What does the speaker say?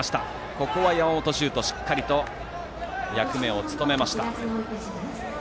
ここは山本翔斗がしっかり役目を務めました。